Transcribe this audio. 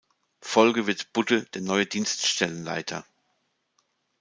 Folge wird Budde der neue Dienststellenleiter.